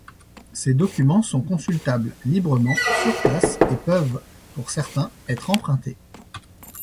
Ces documents sont consultables librement sur place et peuvent pour certains être empruntés.